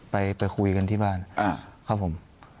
ไปคุยกันที่บ้านครับผม